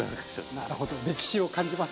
なるほど歴史を感じます。